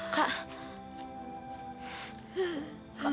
kak kak lintang